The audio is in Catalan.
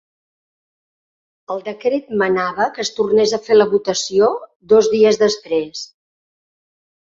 El decret manava que es tornés a fer la votació dos dies després.